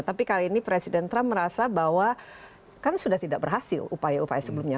tapi kali ini presiden trump merasa bahwa kan sudah tidak berhasil upaya upaya sebelumnya